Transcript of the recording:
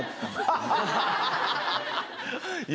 ハハハハ！